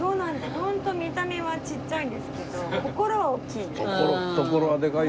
ホント見た目はちっちゃいんですけど心はおっきいんです。